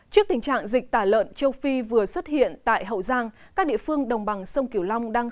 trước tình trạng dịch tả lợn châu phi vừa xuất hiện tại hậu giang các địa phương đồng bằng sông kiểu long đang